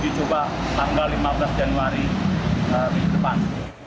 uji coba tanggal lima belas januari minggu depan